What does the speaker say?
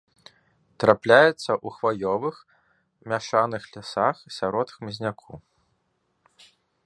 Трапляецца ў хваёвых, мяшаных лясах, сярод хмызняку.